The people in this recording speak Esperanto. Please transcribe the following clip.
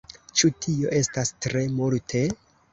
Ĉu tio estas tre multe?